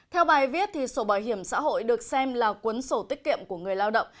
theo bài viết sổ bảo hiểm xã hội được xem là cuốn sổ tiết kiệm của người lao động